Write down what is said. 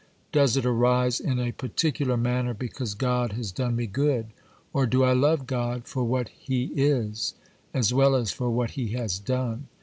Does it arise in a particular manner because God has done me good? or do I love God for what He is, as well as for what He has done?